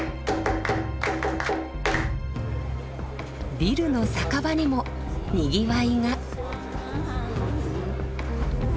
ビルの酒場にもにぎわいが。